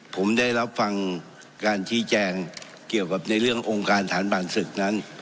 ผมได้รับฟังการชี้แจงเกี่ยวกับในเรื่ององค์การฐานบ่านศึกนั้น